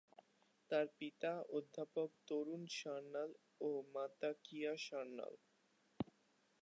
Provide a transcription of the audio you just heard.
তার পিতা অধ্যাপক তরুন সান্যাল ও মাতা কিয়া সান্যাল।